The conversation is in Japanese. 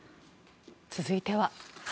続いては。